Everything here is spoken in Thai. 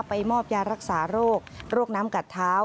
มอบยารักษาโรคโรคน้ำกัดเท้า